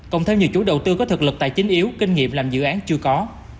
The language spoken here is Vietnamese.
cộng theo nhiều chủ đầu tư có thực lực tài chính yếu kinh nghiệm làm dự án chưa có